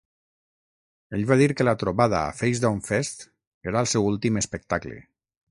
Ell va dir que la trobada a Facedown Fest era el seu últim espectacle.